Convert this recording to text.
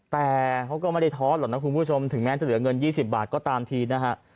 แต่เขาก็ไม่ได้ท้อนหรอกนะคุณผู้ชมถึงแม้จะเหลือเงิน๒๐บาทก็ตามทีนะฮะ